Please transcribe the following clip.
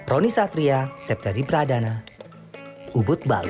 roni satria sepp dari pradana ubud bali